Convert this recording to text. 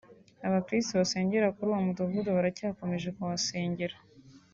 abakiristo basengera kuri uwo mudugudu baracyakomeje kuhasengera